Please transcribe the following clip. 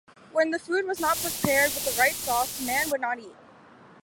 When the food was not prepared with the right sauce, man would not eat.